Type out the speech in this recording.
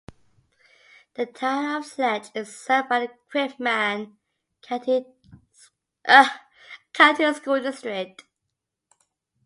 The Town of Sledge is served by the Quitman County School District.